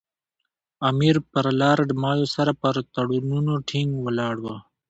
امیر پر لارډ مایو سره پر تړونونو ټینګ ولاړ وو.